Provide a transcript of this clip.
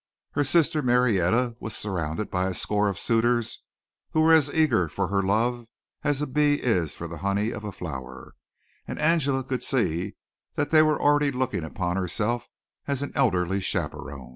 Her sister Marietta was surrounded by a score of suitors who were as eager for her love as a bee is for the honey of a flower, and Angela could see that they were already looking upon herself as an elderly chaperon.